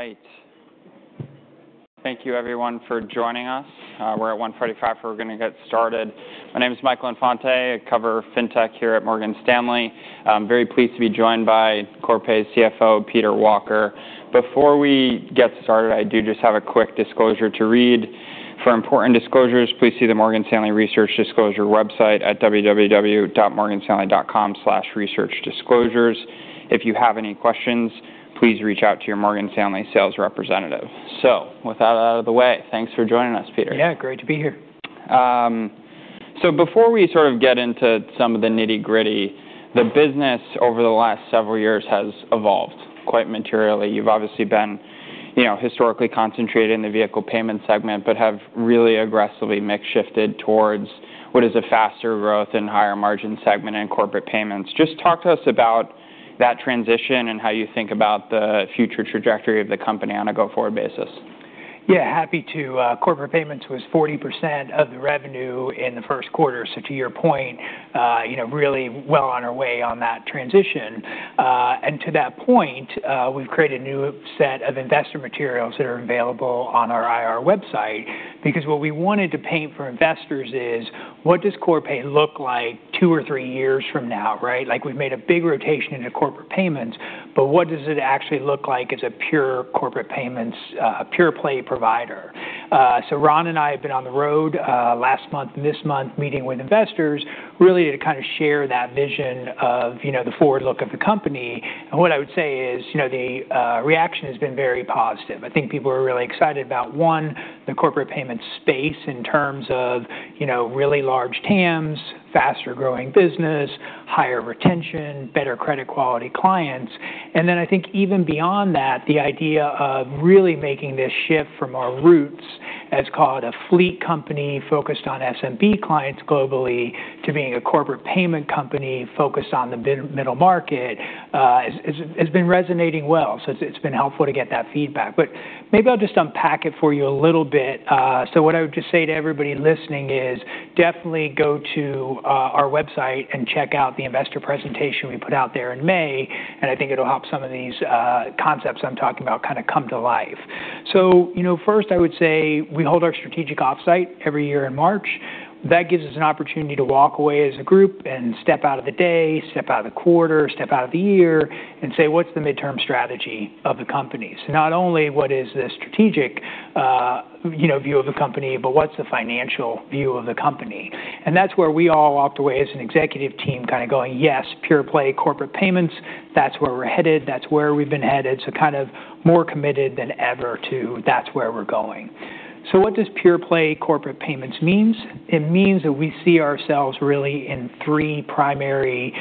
All right. Thank you everyone for joining us. We're at 1:45 P.M. We're going to get started. My name is Michael Infante. I cover fintech here at Morgan Stanley. I'm very pleased to be joined by Corpay's CFO, Peter Walker. Before we get started, I do just have a quick disclosure to read. For important disclosures, please see the Morgan Stanley Research Disclosure website at www.morganstanley.com/researchdisclosures. If you have any questions, please reach out to your Morgan Stanley sales representative. With that out of the way, thanks for joining us, Peter. Yeah, great to be here. Before we sort of get into some of the nitty-gritty, the business over the last several years has evolved quite materially. You've obviously been historically concentrated in the vehicle payment segment, but have really aggressively mix-shifted towards what is a faster growth and higher margin segment in corporate payments. Just talk to us about that transition and how you think about the future trajectory of the company on a go-forward basis. Yeah, happy to. Corporate payments was 40% of the revenue in the first quarter. To your point, really well on our way on that transition. To that point, we've created a new set of investor materials that are available on our IR website, because what we wanted to paint for investors is what does Corpay look like two or three years from now, right? We've made a big rotation into corporate payments, but what does it actually look like as a pure corporate payments pure-play provider? Ron and I have been on the road last month, this month, meeting with investors really to kind of share that vision of the forward look of the company. What I would say is, the reaction has been very positive. I think people are really excited about, one, the corporate payment space in terms of really large TAMs, faster-growing business, higher retention, better credit quality clients. Then I think even beyond that, the idea of really making this shift from our roots as, call it, a fleet company focused on SMB clients globally to being a corporate payment company focused on the middle market has been resonating well. It's been helpful to get that feedback. Maybe I'll just unpack it for you a little bit. What I would just say to everybody listening is definitely go to our website and check out the investor presentation we put out there in May, and I think it'll help some of these concepts I'm talking about kind of come to life. First I would say we hold our strategic offsite every year in March. That gives us an opportunity to walk away as a group and step out of the day, step out of the quarter, step out of the year and say, "What's the midterm strategy of the company?" Not only what is the strategic view of the company, but what's the financial view of the company? That's where we all walked away as an executive team kind of going, "Yes, pure-play corporate payments. That's where we're headed. That's where we've been headed." Kind of more committed than ever to that's where we're going. What does pure-play corporate payments mean? It means that we see ourselves really in three primary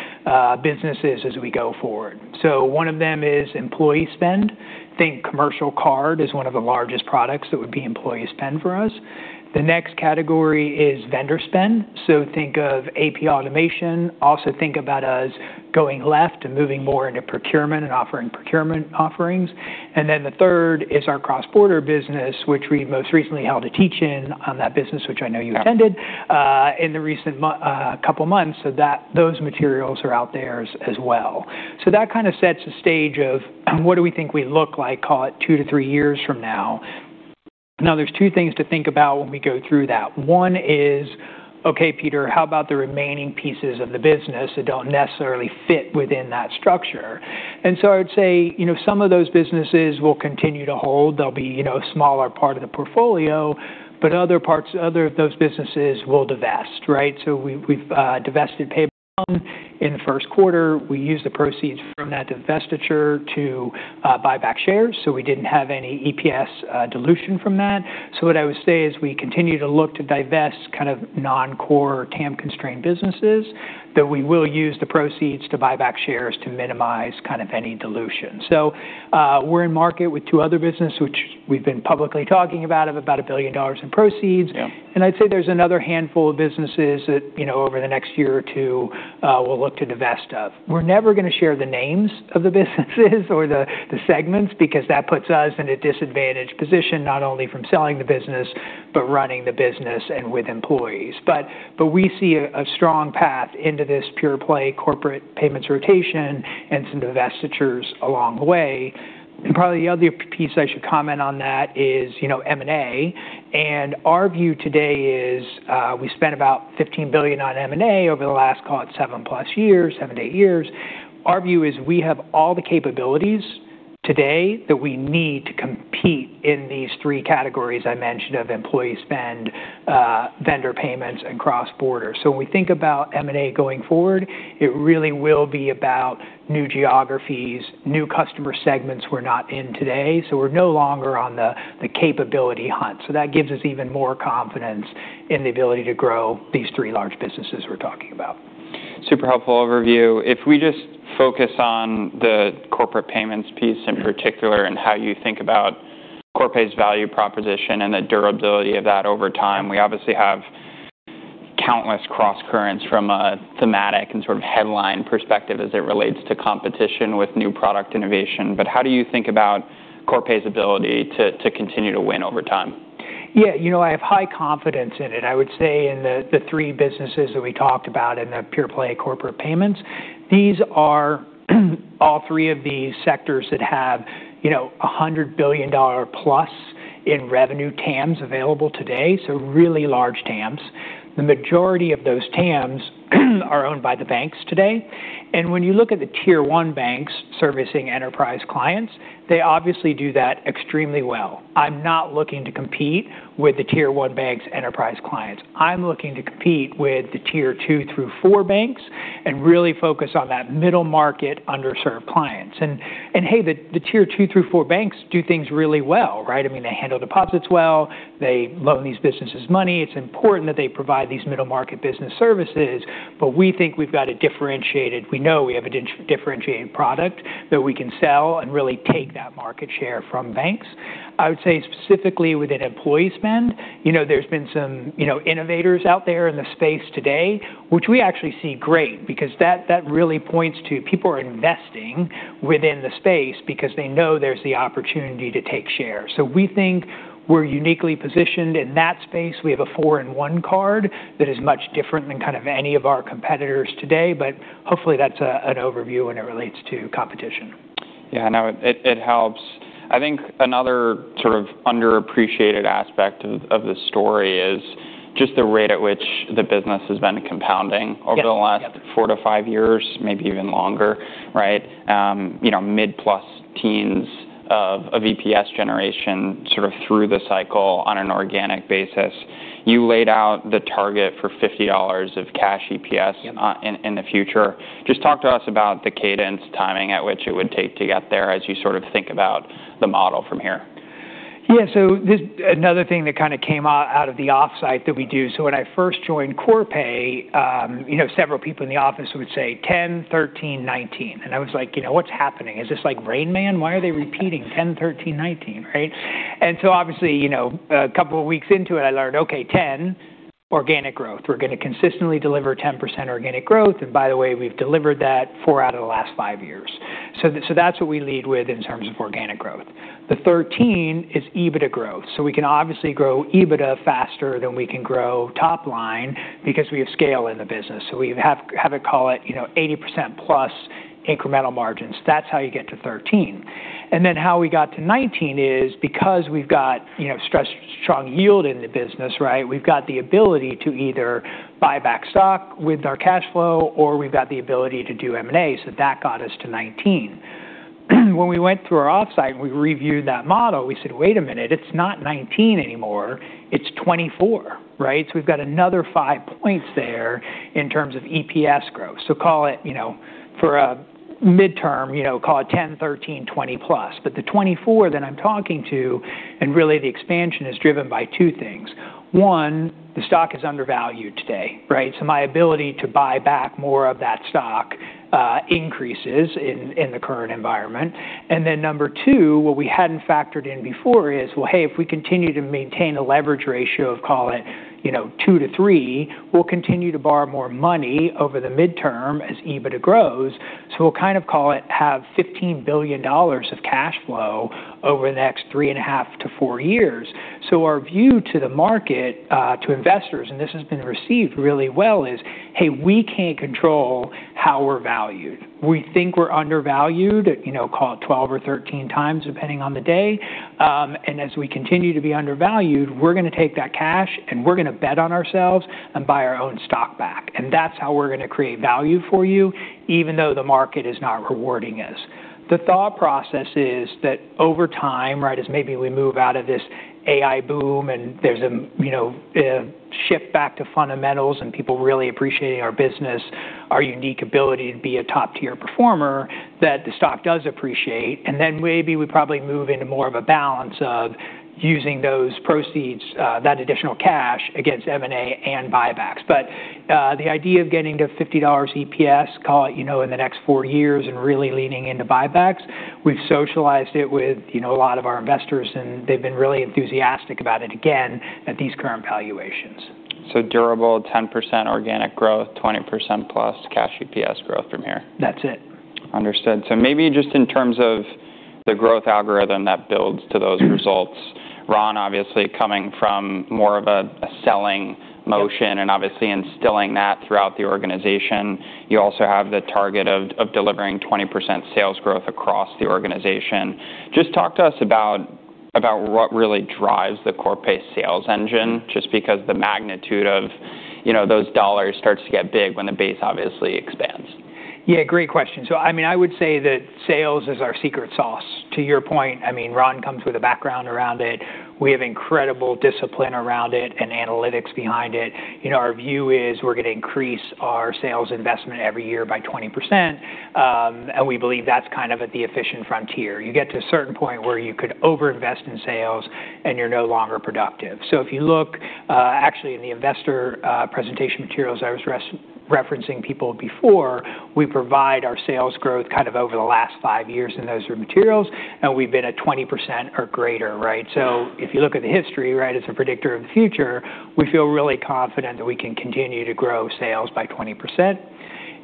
businesses as we go forward. One of them is employee spend. Think commercial card is one of the largest products that would be employee spend for us. The next category is vendor spend, so think of AP automation. Also think about us going left and moving more into procurement and offering procurement offerings. Then the third is our cross-border business, which we most recently held a teach-in on that business, which I know you attended in the recent couple of months, so those materials are out there as well. That kind of sets the stage of what do we think we look like, call it two to three years from now. Now there's two things to think about when we go through that. One is, "Okay, Peter, how about the remaining pieces of the business that don't necessarily fit within that structure?" I would say some of those businesses will continue to hold. They'll be a smaller part of the portfolio, but other of those businesses we'll divest, right? We've divested PayByPhone in the first quarter. We used the proceeds from that divestiture to buy back shares, so we didn't have any EPS dilution from that. What I would say is we continue to look to divest kind of non-core TAM-constrained businesses, that we will use the proceeds to buy back shares to minimize any dilution. We're in market with two other business, which we've been publicly talking about, of about $1 billion in proceeds. Yeah. I'd say there's another handful of businesses that over the next year or two we'll look to divest of. We're never going to share the names of the businesses or the segments because that puts us in a disadvantaged position, not only from selling the business, but running the business and with employees. We see a strong path into this pure-play corporate payments rotation and some divestitures along the way. Probably the other piece I should comment on that is M&A. Our view today is we spent about $15 billion on M&A over the last, call it, seven-plus years, seven to eight years. Our view is we have all the capabilities today that we need to compete in these three categories I mentioned of employee spend, vendor payments, and cross-border. When we think about M&A going forward, it really will be about new geographies, new customer segments we're not in today. We're no longer on the capability hunt. That gives us even more confidence in the ability to grow these three large businesses we're talking about. Super helpful overview. If we just focus on the corporate payments piece in particular and how you think about Corpay's value proposition and the durability of that over time, we obviously have countless crosscurrents from a thematic and sort of headline perspective as it relates to competition with new product innovation. How do you think about Corpay's ability to continue to win over time? Yeah. I have high confidence in it. I would say in the three businesses that we talked about in the pure-play corporate payments, these are all three of the sectors that have $100 billion+ in revenue TAMs available today. Really large TAMs. The majority of those TAMs are owned by the banks today. When you look at the Tier 1 banks servicing enterprise clients, they obviously do that extremely well. I'm not looking to compete with the Tier 1 banks' enterprise clients. I'm looking to compete with Tier 2 through 4 banks and really focus on that middle-market underserved clients. Hey, Tier 2 through 4 banks do things really well, right? They handle deposits well. They loan these businesses money. It's important that they provide these middle-market business services. We know we have a differentiated product that we can sell and really take that market share from banks. I would say specifically within employee spend, there's been some innovators out there in the space today, which we actually see great because that really points to people are investing within the space because they know there's the opportunity to take share. We think we're uniquely positioned in that space. We have a four-in-one card that is much different than kind of any of our competitors today. Hopefully that's an overview when it relates to competition. Yeah, no, it helps. I think another sort of underappreciated aspect of the story is just the rate at which the business has been compounding over the last- Yep Four to five years, maybe even longer, right? Mid plus teens of EPS generation sort of through the cycle on an organic basis. You laid out the target for $50 of cash EPS- Yep In the future. Talk to us about the cadence timing at which it would take to get there as you sort of think about the model from here. Yeah. This is another thing that kind of came out of the offsite that we do. When I first joined Corpay, several people in the office would say, "10%, 13%, 19%." I was like, "What's happening? Is this like 'Rain Man?' Why are they repeating 10%, 13%, 19%, right?" Obviously, a couple of weeks into it, I learned, okay, 10%, organic growth. We're going to consistently deliver 10% organic growth. By the way, we've delivered that four out of the last five years. That's what we lead with in terms of organic growth. The 13% is EBITDA growth. We can obviously grow EBITDA faster than we can grow top line because we have scale in the business. We have a, call it, 80%+ incremental margins. That's how you get to 13%. How we got to 19% is because we've got strong yield in the business, right? We've got the ability to either buy back stock with our cash flow, or we've got the ability to do M&A. That got us to 19%. When we went through our offsite and we reviewed that model, we said, "Wait a minute, it's not 19% anymore, it's 24%," right? We've got another five points there in terms of EPS growth. Call it for a midterm, call it 10%, 13%, 20%+. The 24% that I'm talking to, and really the expansion is driven by two things. One, the stock is undervalued today, right? My ability to buy back more of that stock increases in the current environment. Number two, what we hadn't factored in before is, well, hey, if we continue to maintain a leverage ratio of call it, 2x-3x, we'll continue to borrow more money over the midterm as EBITDA grows. We'll kind of call it have $15 billion of cash flow over the next three and a half to four years. Our view to the market, to investors, and this has been received really well, is, hey, we can't control how we're valued. We think we're undervalued, call it 12x or 13x, depending on the day. As we continue to be undervalued, we're going to take that cash and we're going to bet on ourselves and buy our own stock back. That's how we're going to create value for you, even though the market is not rewarding us. The thought process is that over time, right, as maybe we move out of this AI boom and there's a shift back to fundamentals and people really appreciating our business, our unique ability to be a top-tier performer, that the stock does appreciate, and then maybe we probably move into more of a balance of using those proceeds, that additional cash against M&A and buybacks. The idea of getting to $50 EPS, call it in the next four years and really leaning into buybacks, we've socialized it with a lot of our investors, they've been really enthusiastic about it again at these current valuations. Durable 10% organic growth, +20% cash EPS growth from here. That's it. Understood. Maybe just in terms of the growth algorithm that builds to those results, Ron obviously coming from more of a selling motion and obviously instilling that throughout the organization. You also have the target of delivering 20% sales growth across the organization. Just talk to us about what really drives the Corpay sales engine, just because the magnitude of those dollars starts to get big when the base obviously expands. Yeah, great question. I would say that sales is our secret sauce. To your point, Ron comes with a background around it. We have incredible discipline around it and analytics behind it. Our view is we're going to increase our sales investment every year by 20%, and we believe that's kind of at the efficient frontier. You get to a certain point where you could over-invest in sales and you're no longer productive. If you look actually in the investor presentation materials I was referencing people before, we provide our sales growth kind of over the last five years in those materials, and we've been at 20% or greater, right? If you look at the history, right, as a predictor of the future, we feel really confident that we can continue to grow sales by 20%.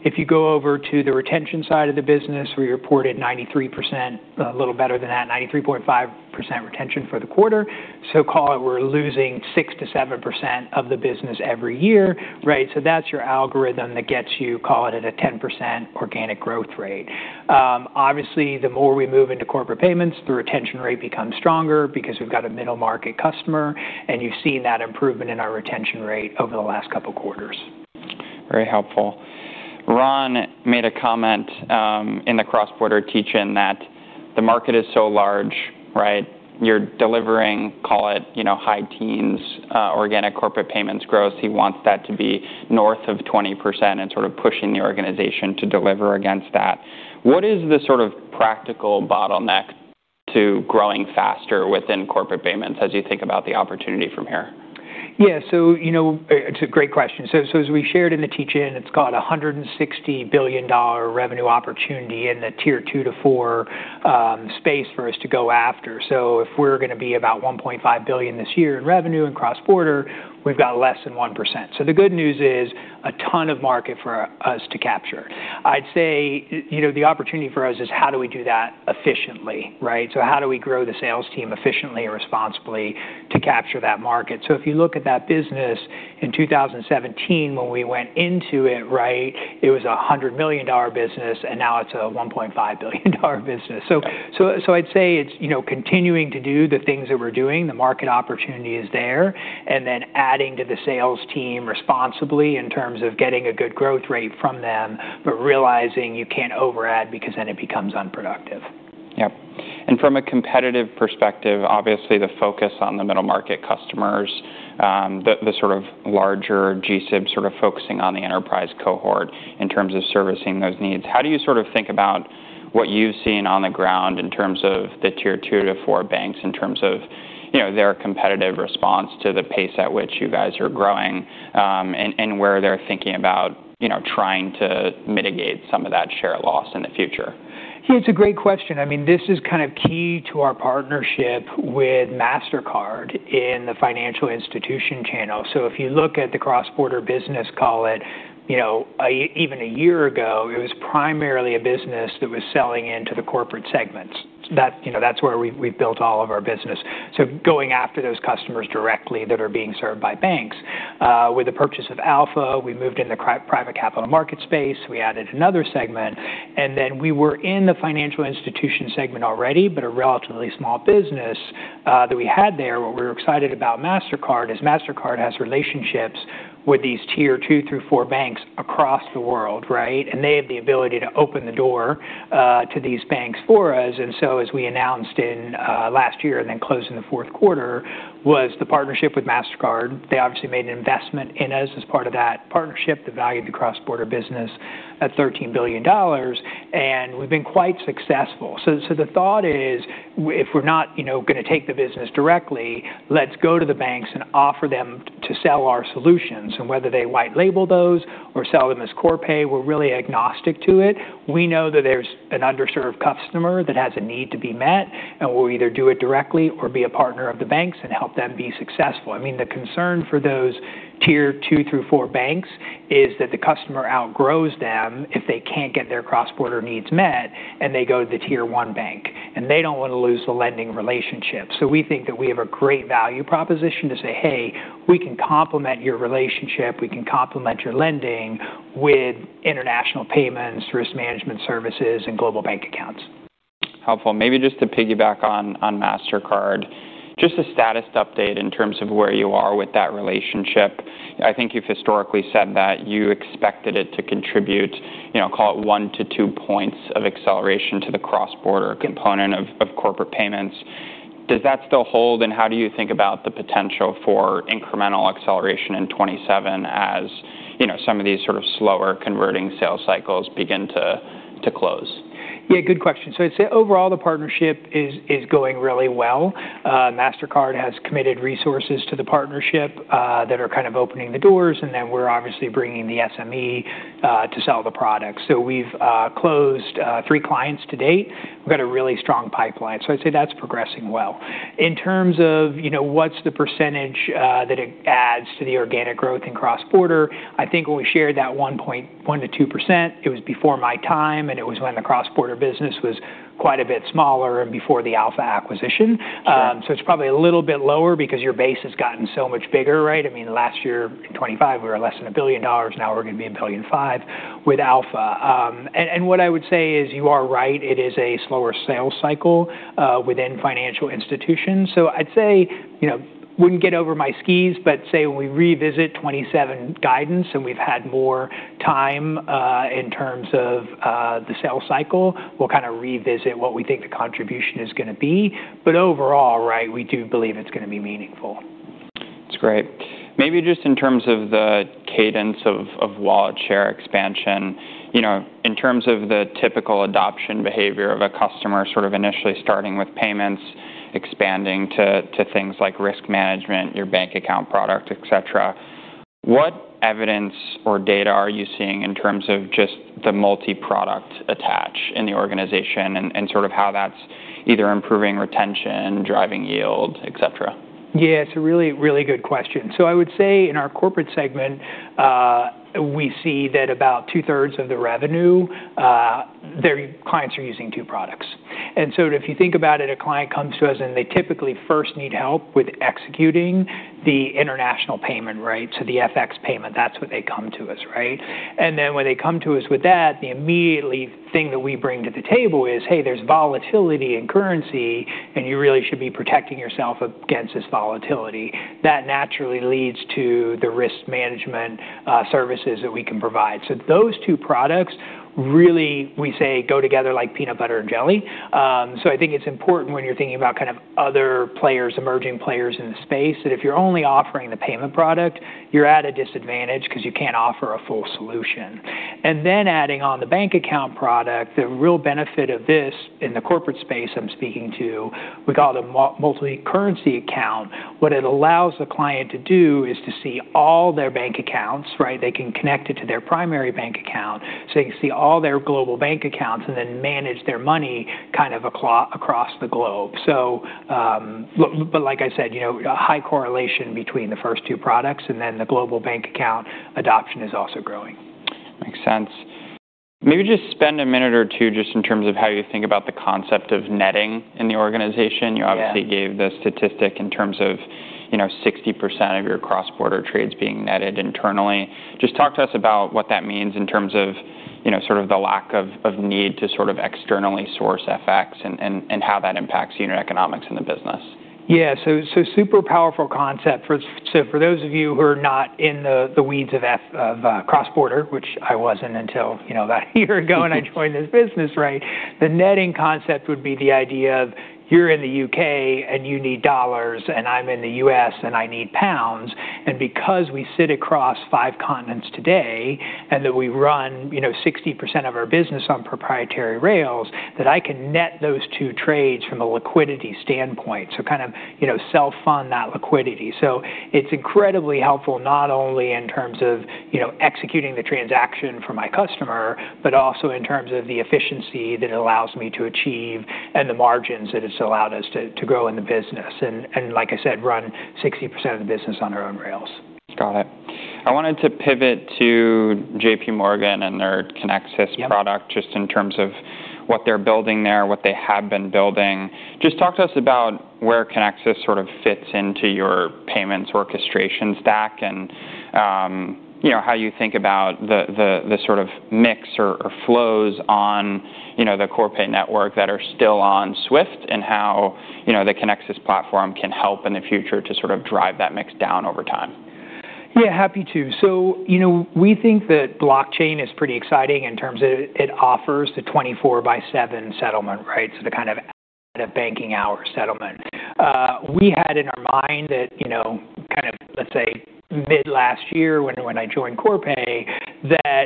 If you go over to the retention side of the business, we reported 93%, a little better than that, 93.5% retention for the quarter. Call it, we're losing 6%-7% of the business every year. That's your algorithm that gets you, call it, at a 10% organic growth rate. Obviously, the more we move into corporate payments, the retention rate becomes stronger because we've got a middle-market customer, and you've seen that improvement in our retention rate over the last couple of quarters. Very helpful. Ron made a comment in the cross-border teach-in that the market is so large. You're delivering, call it, high teens organic corporate payments growth. He wants that to be north of 20% and sort of pushing the organization to deliver against that. What is the sort of practical bottleneck to growing faster within corporate payments as you think about the opportunity from here? It's a great question. As we shared in the teach-in, it's got a $160 billion revenue opportunity in Tier 2-4 space for us to go after. If we're going to be about $1.5 billion this year in revenue and cross-border, we've got less than 1%. The good news is a ton of market for us to capture. I'd say, the opportunity for us is how do we do that efficiently. How do we grow the sales team efficiently and responsibly to capture that market? If you look at that business in 2017 when we went into it was a $100 million business, and now it's a $1.5 billion business. I'd say it's continuing to do the things that we're doing, the market opportunity is there, and then adding to the sales team responsibly in terms of getting a good growth rate from them. Realizing you can't over-add because then it becomes unproductive. Yep. From a competitive perspective, obviously the focus on the middle-market customers, the larger G-SIB focusing on the enterprise cohort in terms of servicing those needs. How do you think about what you've seen on the ground in terms of Tier 2-4 banks, in terms of their competitive response to the pace at which you guys are growing, and where they're thinking about trying to mitigate some of that share loss in the future? It's a great question. This is kind of key to our partnership with Mastercard in the financial institution channel. If you look at the cross-border business, call it even one year ago, it was primarily a business that was selling into the Corporate segments. That's where we've built all of our business. Going after those customers directly that are being served by banks. With the purchase of Alpha, we moved into private capital markets space. We added another segment, and then we were in the financial institution segment already, but a relatively small business that we had there. What we were excited about Mastercard is Mastercard has relationships with Tier 2 through 4 banks across the world. They have the ability to open the door to these banks for us. As we announced last year and then closed in the fourth quarter, was the partnership with Mastercard. They obviously made an investment in us as part of that partnership that valued the cross-border business at $13 billion. We've been quite successful. The thought is, if we're not going to take the business directly, let's go to the banks and offer them to sell our solutions. Whether they white label those or sell them as Corpay, we're really agnostic to it. We know that there's an underserved customer that has a need to be met, and we'll either do it directly or be a partner of the banks and help them be successful. The concern for those Tier 2 through 4 banks is that the customer outgrows them if they can't get their cross-border needs met and they go to the Tier 1 bank. They don't want to lose the lending relationship. We think that we have a great value proposition to say, Hey, we can complement your relationship. We can complement your lending with international payments, risk management services, and global bank accounts. Helpful. Maybe just to piggyback on Mastercard, just a status update in terms of where you are with that relationship. I think you've historically said that you expected it to contribute, call it one to two points of acceleration to the cross-border component of corporate payments. Does that still hold, and how do you think about the potential for incremental acceleration in 2027 as some of these sort of slower converting sales cycles begin to close? Yeah. Good question. I'd say overall, the partnership is going really well. Mastercard has committed resources to the partnership that are kind of opening the doors, and then we're obviously bringing the SME to sell the product. We've closed three clients to date. We've got a really strong pipeline. I'd say that's progressing well. In terms of what's the % that it adds to the organic growth in cross-border, I think when we shared that one to 2%, it was before my time, and it was when the cross-border business was quite a bit smaller and before the Alpha acquisition. Sure. It's probably a little bit lower because your base has gotten so much bigger. Last year in 2025, we were less than $1 billion. Now we're going to be $1.5 billion with Alpha. What I would say is you are right. It is a slower sales cycle within financial institutions. I'd say, wouldn't get over my skis, but say when we revisit 2027 guidance and we've had more time in terms of the sales cycle, we'll kind of revisit what we think the contribution is going to be. Overall, we do believe it's going to be meaningful. That's great. Maybe just in terms of the cadence of wallet share expansion. In terms of the typical adoption behavior of a customer, sort of initially starting with payments, expanding to things like risk management, your bank account product, et cetera, what evidence or data are you seeing in terms of just the multi-product attach in the organization and sort of how that's either improving retention, driving yield, et cetera. Yeah, it's a really good question. I would say in our Corporate segment, we see that about two-thirds of the revenue, their clients are using two products. If you think about it, a client comes to us, and they typically first need help with executing the international payment, right? The FX payment, that's when they come to us, right? When they come to us with that, the immediate thing that we bring to the table is, "Hey, there's volatility in currency, and you really should be protecting yourself against this volatility." That naturally leads to the risk management services that we can provide. Those two products really, we say, go together like peanut butter and jelly. I think it's important when you're thinking about other players, emerging players in the space, that if you're only offering the payment product, you're at a disadvantage because you can't offer a full solution. Adding on the bank account product, the real benefit of this in the corporate space I'm speaking to, we call it a Multi-Currency Account. What it allows the client to do is to see all their bank accounts, right? They can connect it to their primary bank account, so you can see all their global bank accounts and then manage their money across the globe. Like I said, a high correlation between the first two products, and then the global bank account adoption is also growing. Makes sense. Maybe just spend a minute or two just in terms of how you think about the concept of netting in the organization. Yeah. You obviously gave the statistic in terms of 60% of your cross-border trades being netted internally. Just talk to us about what that means in terms of the lack of need to externally source FX and how that impacts unit economics in the business. Yeah. Super powerful concept. For those of you who are not in the weeds of cross-border, which I wasn't until about a year ago when I joined this business, right? The netting concept would be the idea of you're in the U.K. and you need dollars, and I'm in the U.S. and I need pounds. Because we sit across five continents today, and that we run 60% of our business on proprietary rails, that I can net those two trades from a liquidity standpoint. Kind of self-fund that liquidity. It's incredibly helpful not only in terms of executing the transaction for my customer, but also in terms of the efficiency that it allows me to achieve and the margins that it's allowed us to grow in the business. Like I said, run 60% of the business on our own rails. Got it. I wanted to pivot to JPMorgan and their Kinexys product just in terms of what they're building there, what they have been building. Just talk to us about where Kinexys sort of fits into your payments orchestration stack and how you think about the sort of mix or flows on the Corpay network that are still on SWIFT, and how the Kinexys platform can help in the future to sort of drive that mix down over time. Yeah, happy to. We think that blockchain is pretty exciting in terms of it offers the 24x7 settlement, right? The kind of out of banking hours settlement. We had in our mind that kind of, let's say, mid last year when I joined Corpay, that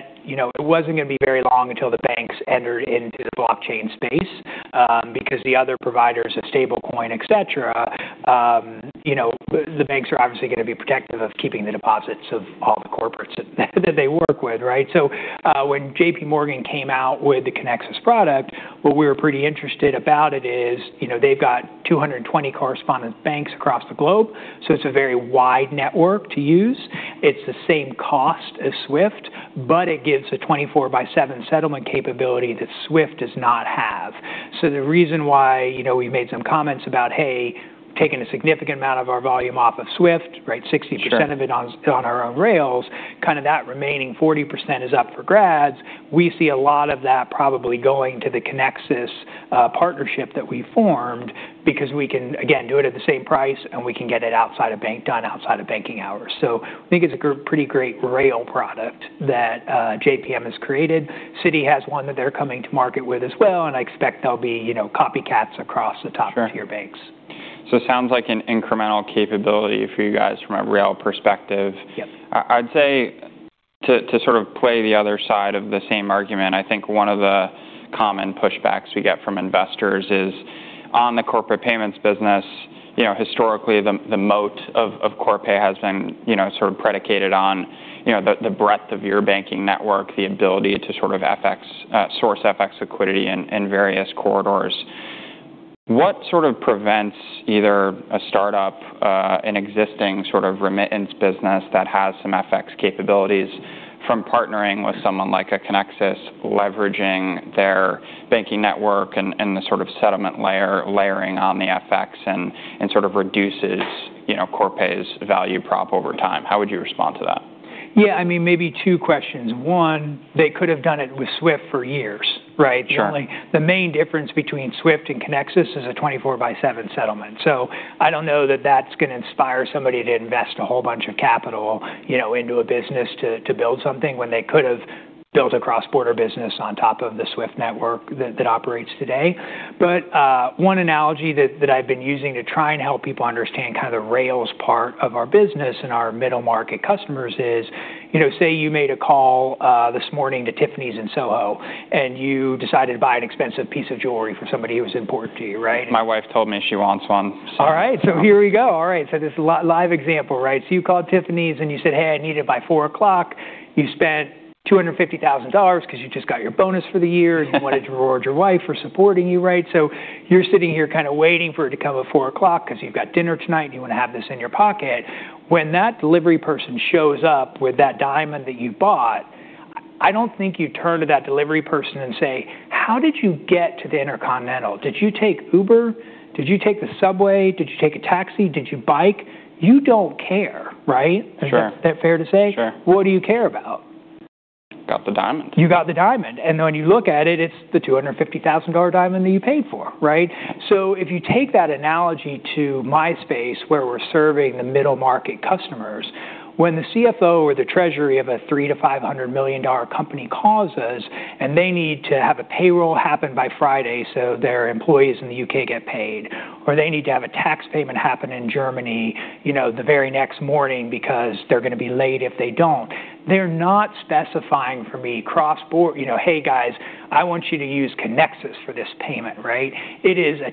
it wasn't going to be very long until the banks entered into the blockchain space because the other providers of stablecoin, etc., the banks are obviously going to be protective of keeping the deposits of all the corporates that they work with, right? When JPMorgan came out with the Kinexys product, what we were pretty interested about it is they've got 220 correspondent banks across the globe, it's a very wide network to use. It's the same cost as SWIFT, but it gives a 24x7 settlement capability that SWIFT does not have. The reason why we made some comments about, hey, taking a significant amount of our volume off of SWIFT, right. Sure 60% of it on our own rails, kind of that remaining 40% is up for grabs. We see a lot of that probably going to the Kinexys partnership that we formed because we can, again, do it at the same price, and we can get it done outside of banking hours. I think it's a pretty great rail product that JPM has created. Citi has one that they're coming to market with as well, and I expect there'll be copycats across the top tier banks. Sure. It sounds like an incremental capability for you guys from a rail perspective. Yep. I'd say to sort of play the other side of the same argument, I think one of the common pushbacks we get from investors is on the corporate payments business. Historically, the moat of Corpay has been sort of predicated on the breadth of your banking network, the ability to sort of source FX equity in various corridors. What sort of prevents either a startup, an existing sort of remittance business that has some FX capabilities from partnering with someone like a Kinexys, leveraging their banking network, and the sort of settlement layering on the FX and sort of reduces Corpay's value prop over time. How would you respond to that? Yeah, I mean, maybe two questions. One, they could have done it with SWIFT for years, right? Sure. The main difference between SWIFT and Kinexys is a 24x7 settlement. I don't know that that's going to inspire somebody to invest a whole bunch of capital into a business to build something when they could have built a cross-border business on top of the SWIFT network that operates today. One analogy that I've been using to try and help people understand kind of the rails part of our business and our middle-market customers is say you made a call this morning to Tiffany's in Soho, and you decided to buy an expensive piece of jewelry for somebody who is important to you, right? My wife told me she wants one. All right. Here we go. All right, this is a live example, right? You called Tiffany's, and you said, "Hey, I need it by 4:00 P.M." You spent $250,000 because you just got your bonus for the year and you wanted to reward your wife for supporting you, right? You're sitting here kind of waiting for it to come at 4:00 P.M. because you've got dinner tonight and you want to have this in your pocket. When that delivery person shows up with that diamond that you bought, I don't think you turn to that delivery person and say, "How did you get to the Intercontinental? Did you take Uber? Did you take the subway? Did you take a taxi? Did you bike?" You don't care, right? Sure. Is that fair to say? Sure. What do you care about? Got the diamond. You got the diamond. When you look at it's the $250,000 diamond that you paid for, right? If you take that analogy to Myspace, where we're serving the middle-market customers, when the CFO or the treasury of a $300 million-$500 million company calls us and they need to have a payroll happen by Friday, so their employees in the U.K. get paid, or they need to have a tax payment happen in Germany the very next morning because they're going to be late if they don't. They're not specifying for me cross-border, "Hey guys, I want you to use Kinexys for this payment," right? It is a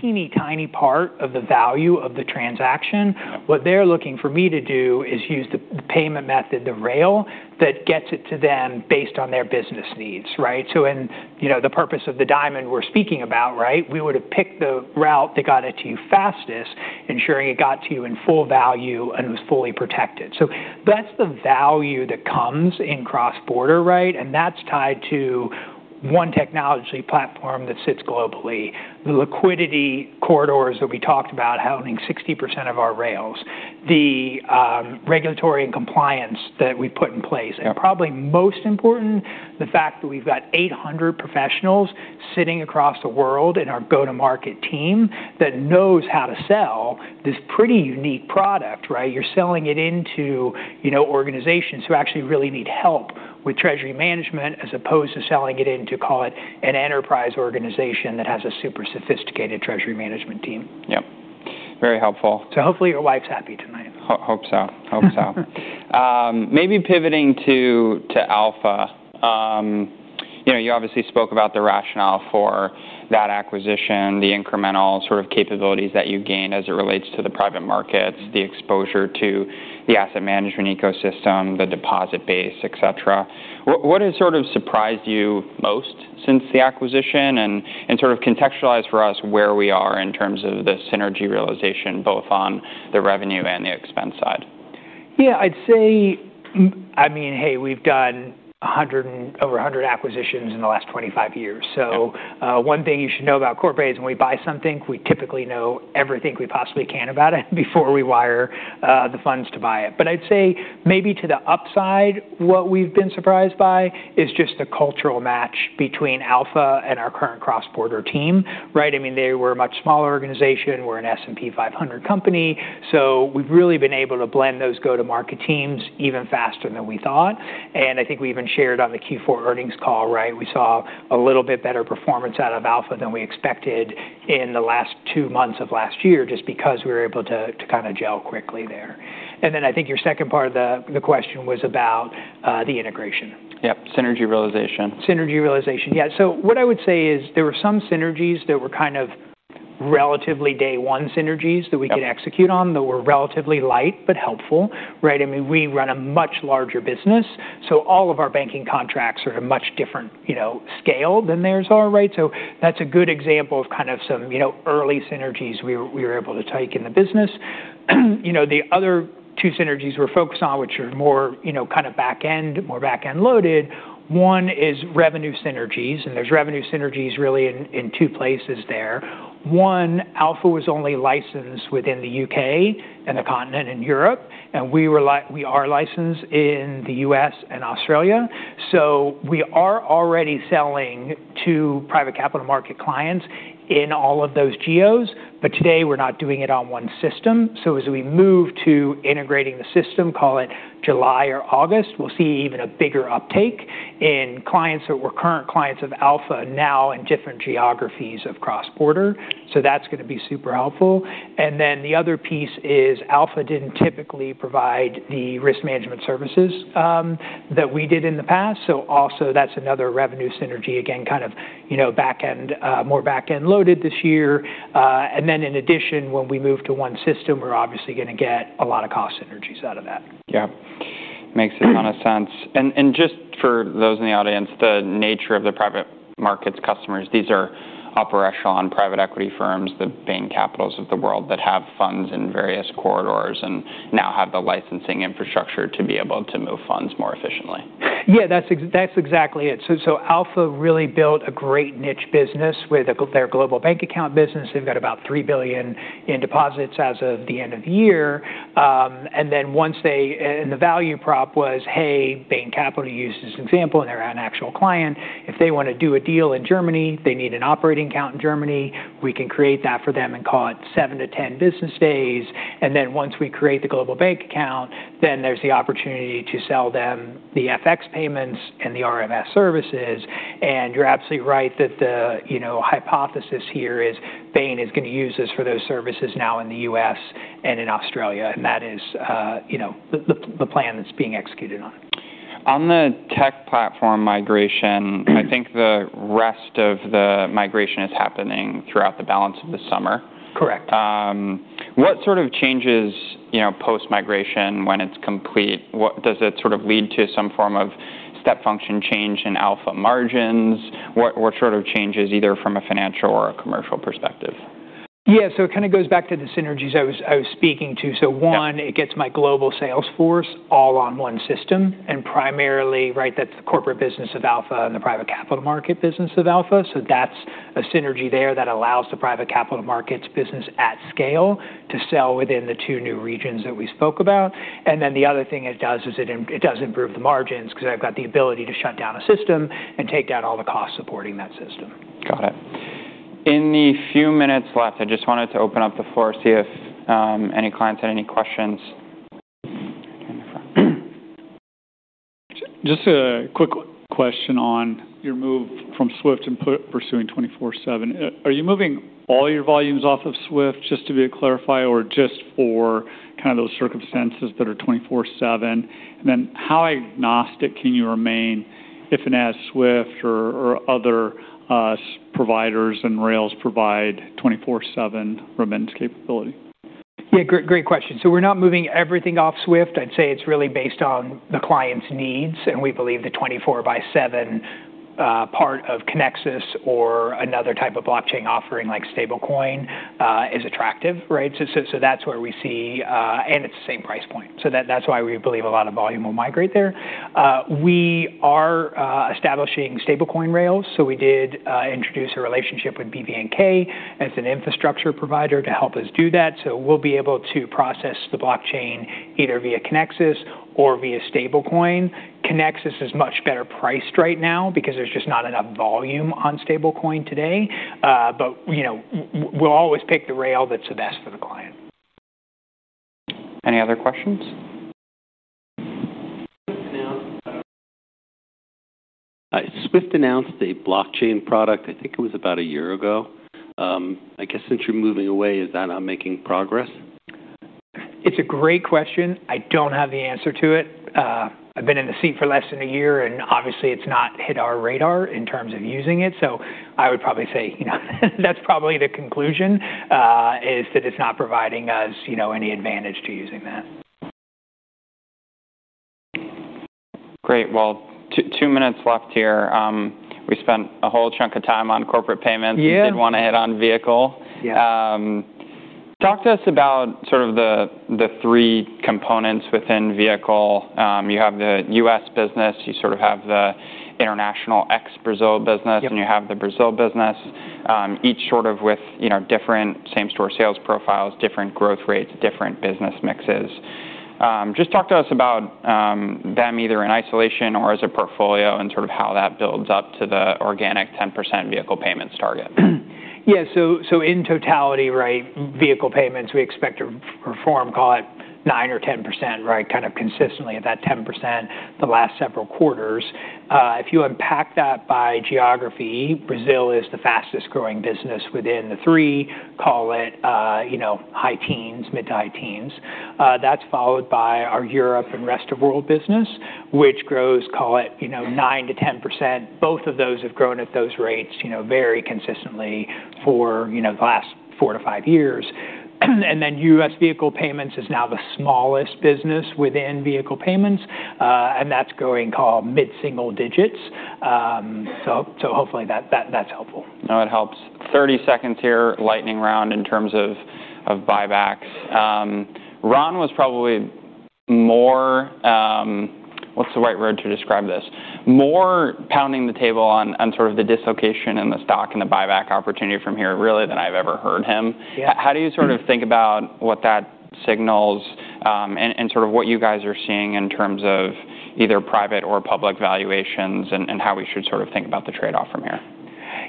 teeny-tiny part of the value of the transaction. Yeah. What they're looking for me to do is use the payment method, the rail, that gets it to them based on their business needs, right? In the purpose of the diamond we're speaking about, right, we would've picked the route that got it to you fastest, ensuring it got to you in full value, and it was fully protected. That's the value that comes in cross-border, right? That's tied to one technology platform that sits globally. The liquidity corridors that we talked about housing 60% of our rails. The regulatory and compliance that we put in place, and probably most important, the fact that we've got 800 professionals sitting across the world in our go-to-market team that knows how to sell this pretty unique product, right? You're selling it into organizations who actually really need help with treasury management as opposed to selling it into, call it, an enterprise organization that has a super sophisticated treasury management team. Yep. Very helpful. Hopefully your wife's happy tonight. Hope so. Hope so. Maybe pivoting to Alpha. You obviously spoke about the rationale for that acquisition, the incremental sort of capabilities that you gained as it relates to the private markets, the exposure to the asset management ecosystem, the deposit base, et cetera. What has sort of surprised you most since the acquisition, and sort of contextualize for us where we are in terms of the synergy realization, both on the revenue and the expense side? Yeah, I'd say, we've done over 100 acquisitions in the last 25 years. Yeah. One thing you should know about Corpay is when we buy something, we typically know everything we possibly can about it before we wire the funds to buy it. But I'd say maybe to the upside, what we've been surprised by is just the cultural match between Alpha and our current cross-border team, right? They were a much smaller organization. We're an S&P 500 company, so we've really been able to blend those go-to-market teams even faster than we thought. I think we even shared on the Q4 earnings call, right? We saw a little bit better performance out of Alpha than we expected in the last two months of last year, just because we were able to kind of gel quickly there. Then I think your second part of the question was about the integration. Yep. Synergy realization. Synergy realization. Yeah. What I would say is there were some synergies that were kind of relatively day-one synergies. Yep could execute on that were relatively light, but helpful, right? We run a much larger business, so all of our banking contracts are a much different scale than theirs are, right? That's a good example of kind of some early synergies we were able to take in the business. The other two synergies we're focused on, which are more kind of back-end loaded. One is revenue synergies, and there's revenue synergies really in two places there. One, Alpha was only licensed within the U.K. and the continent in Europe, and we are licensed in the U.S. and Australia. We are already selling to private capital market clients in all of those geos. Today, we're not doing it on one system. As we move to integrating the system, call it July or August, we'll see even a bigger uptake in clients that were current clients of Alpha now in different geographies of cross-border. That's going to be super helpful. The other piece is Alpha didn't typically provide the risk management services that we did in the past. Also that's another revenue synergy, again, kind of more back-end loaded this year. In addition, when we move to one system, we're obviously going to get a lot of cost synergies out of that. Yeah. Makes a ton of sense. Just for those in the audience, the nature of the private markets customers, these are upper echelon private equity firms, the Bain Capitals of the world that have funds in various corridors and now have the licensing infrastructure to be able to move funds more efficiently. Yeah, that's exactly it. Alpha really built a great niche business with their global bank account business. They've got about $3 billion in deposits as of the end of the year. The value prop was, hey, Bain Capital, to use as an example, and they're not an actual client. If they want to do a deal in Germany, they need an operating account in Germany. We can create that for them in, call it, seven to 10 business days. Once we create the global bank account, then there's the opportunity to sell them the FX payments and the RMS services. You're absolutely right that the hypothesis here is Bain is going to use us for those services now in the U.S. and in Australia, and that is the plan that's being executed on. On the tech platform migration. I think the rest of the migration is happening throughout the balance of the summer. Correct. What sort of changes, post-migration, when it's complete? Does it sort of lead to some form of Step function change in Alpha margins? What sort of changes, either from a financial or a commercial perspective? Yeah. It kind of goes back to the synergies I was speaking to. One, it gets my global sales force all on one system, and primarily, right, that's the corporate business of Alpha and the private capital market business of Alpha. That's a synergy there that allows the private capital markets business at scale to sell within the two new regions that we spoke about. The other thing it does is it does improve the margins because I've got the ability to shut down a system and take down all the costs supporting that system. Got it. In the few minutes left, I just wanted to open up the floor, see if any clients had any questions. Guy in the front. Just a quick question on your move from SWIFT and pursuing 24/7. Are you moving all your volumes off of SWIFT, just to clarify, or just for kind of those circumstances that are 24/7? How agnostic can you remain if and as SWIFT or other providers and rails provide 24/7 remittance capability? Yeah, great question. We're not moving everything off SWIFT. I'd say it's really based on the client's needs, and we believe the 24/7 part of Kinexys or another type of blockchain offering like stablecoin is attractive, right? That's where we see. It's the same price point. That's why we believe a lot of volume will migrate there. We are establishing stablecoin rails. We did introduce a relationship with BVNK as an infrastructure provider to help us do that. We'll be able to process the blockchain either via Kinexys or via stablecoin. Kinexys is much better priced right now because there's just not enough volume on stablecoin today. We'll always pick the rail that's the best for the client. Any other questions? SWIFT announced a blockchain product, I think it was about a year ago. I guess since you're moving away, is that not making progress? It's a great question. I don't have the answer to it. I've been in the seat for less than a year. Obviously it's not hit our radar in terms of using it. I would probably say that's probably the conclusion, is that it's not providing us any advantage to using that. Great. Well, two minutes left here. We spent a whole chunk of time on corporate payments. Yeah. We did want to hit on Vehicle. Yeah. Talk to us about sort of the three components within Vehicle. You have the U.S. business, you sort of have the international ex-Brazil business. Yep You have the Brazil business, each sort of with different same-store sales profiles, different growth rates, different business mixes. Just talk to us about them either in isolation or as a portfolio and sort of how that builds up to the organic 10% vehicle payments target. In totality, vehicle payments, we expect to perform, call it, 9% or 10%. Consistently at that 10% the last several quarters. If you unpack that by geography, Brazil is the fastest-growing business within the three, call it high teens, mid to high teens. That's followed by our Europe and rest of world business, which grows, call it, 9%-10%. Both of those have grown at those rates very consistently for the last four to five years. Then U.S. vehicle payments is now the smallest business within vehicle payments. That's growing, call it, mid-single digits. Hopefully that's helpful. It helps. 30 seconds here, lightning round in terms of buybacks. Ron was probably more, what's the right word to describe this? More pounding the table on sort of the dislocation in the stock and the buyback opportunity from here really than I've ever heard him. Yeah. How do you sort of think about what that signals and sort of what you guys are seeing in terms of either private or public valuations and how we should sort of think about the trade-off from here?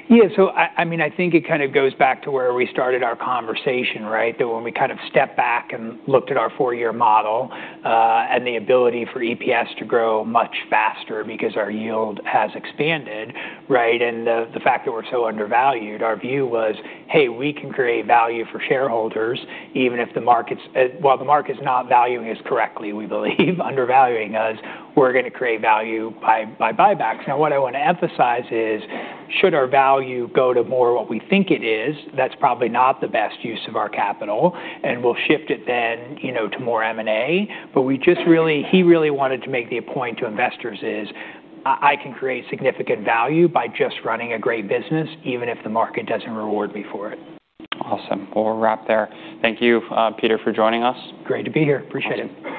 I think it kind of goes back to where we started our conversation, right? That when we kind of stepped back and looked at our four-year model, and the ability for EPS to grow much faster because our yield has expanded, right? The fact that we're so undervalued, our view was, "Hey, we can create value for shareholders. While the market's not valuing us correctly, we believe, undervaluing us, we're going to create value by buybacks." What I want to emphasize is, should our value go to more what we think it is, that's probably not the best use of our capital, and we'll shift it then to more M&A. He really wanted to make the point to investors is, "I can create significant value by just running a great business, even if the market doesn't reward me for it. Awesome. Well, we'll wrap there. Thank you, Peter, for joining us. Great to be here. Appreciate it.